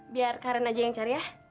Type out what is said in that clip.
biar karen aja yang cari ya